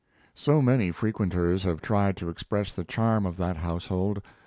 So many frequenters have tried to express the charm of that household.